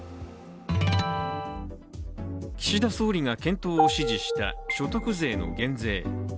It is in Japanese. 岸田総理が検討を指示した所得税の減税。